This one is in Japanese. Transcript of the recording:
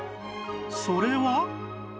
それは